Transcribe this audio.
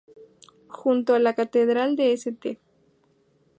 Junto a la catedral de St.